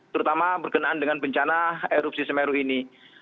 terutama berkenaan dengan bencana erupsi semeru ini